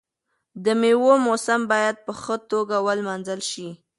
د میوو موسم باید په ښه توګه ولمانځل شي.